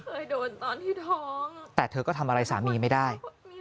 เคยโดนตอนที่ท้องแต่เธอก็ทำอะไรสามีไม่ได้